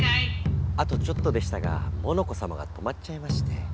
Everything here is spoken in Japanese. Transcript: あとちょっとでしたがモノコさまが止まっちゃいまして。